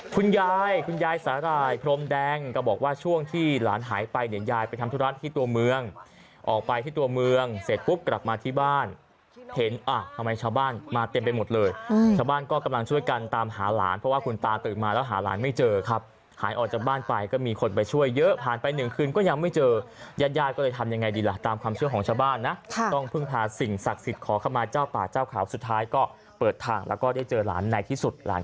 คุณยายคุณยายสาหร่ายพรมแดงก็บอกว่าช่วงที่หลานหายไปเนี่ยยายไปทำธุรัติที่ตัวเมืองออกไปที่ตัวเมืองเสร็จปุ๊บกลับมาที่บ้านเห็นอ่ะทำไมชาวบ้านมาเต็มไปหมดเลยชาวบ้านก็กำลังช่วยกันตามหาหลานเพราะว่าคุณตาตื่นมาแล้วหาหลานไม่เจอครับหายออกจากบ้านไปก็มีคนไปช่วยเยอะผ่านไป๑คืนก็ยังไม่เจอยาดย